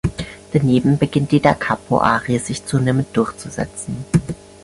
Daneben beginnt die Da-capo-Arie sich zunehmend durchzusetzen.